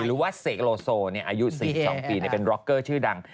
หรือว่าเสกโลโซอายุ๔๒ปีเป็นร็อกเกอร์ชื่อดัง